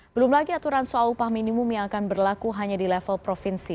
belum lagi aturan soal upah minimum yang akan berlaku hanya di level provinsi